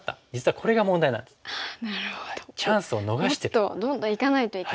もっとどんどんいかないといけない。